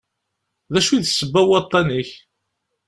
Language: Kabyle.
D acu i d ssebba n waṭṭan-ik?